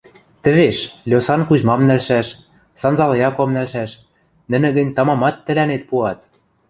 Тӹвеш, Льосан Кузьмам нӓлшӓш, Санзал Яком нӓлшӓш, нӹнӹ гӹнь тамамат тӹлӓнет пуат.